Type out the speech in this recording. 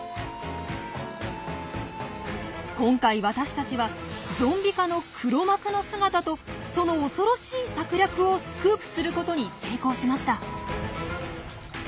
今回私たちはゾンビ化の黒幕の姿とその恐ろしい策略をスクープすることに成功しました！